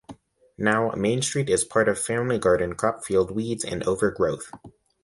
Now "Main Street" is part family garden, crop field, weeds, and overgrowth.